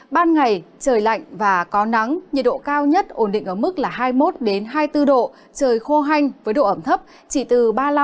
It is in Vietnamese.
ban ngày trời lạnh và có nắng nhiệt độ cao nhất ổn định ở mức hai mươi một hai mươi bốn độ trời khô hanh với độ ẩm thấp chỉ từ ba mươi năm bốn mươi năm